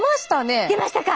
出ましたね。